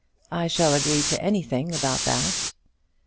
I shall agree to anything about that."